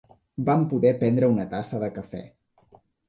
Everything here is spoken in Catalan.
Vam poder prendre una tassa de cafè